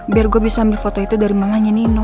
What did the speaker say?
biar gue bisa ambil foto itu dari mananya nino